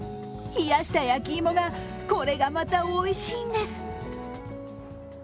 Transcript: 冷やした焼き芋が、これがまたおいしいんです。